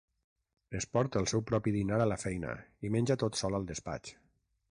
Es porta el seu propi dinar a la feina i menja tot sol al despatx.